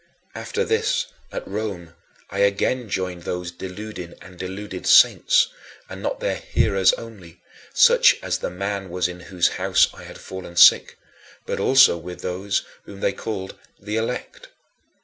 After this, at Rome, I again joined those deluding and deluded "saints"; and not their "hearers" only, such as the man was in whose house I had fallen sick, but also with those whom they called "the elect."